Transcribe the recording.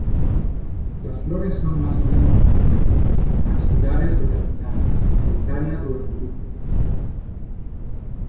Las flores son más o menos pequeñas, axilares o terminales, solitarias o en grupos.